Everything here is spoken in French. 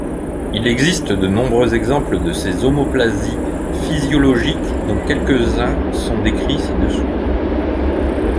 Il existe de nombreux exemples de ces homoplasies physiologiques dont quelques-uns sont décrits ci-dessous.